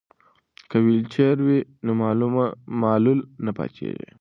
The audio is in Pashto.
که ویلچر وي نو معلول نه پاتیږي.